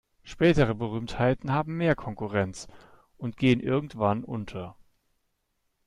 Spätere Berühmtheiten haben mehr Konkurrenz und gehen irgendwann unter.